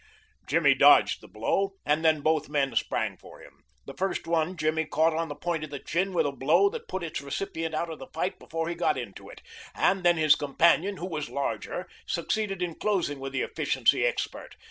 Jimmy dodged the blow and then both men sprang for him. The first one Jimmy caught on the point of the chin with a blow that put its recipient out of the fight before he got into it, and then his companion, who was the larger, succeeded in closing with the efficiency expert.